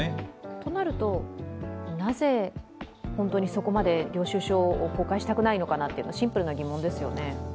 となるとなぜ本当にそこまで領収書を公開したくないのかなとシンプルな疑問ですよね。